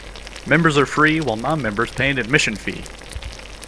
Members are free, while non-members pay an admission fee.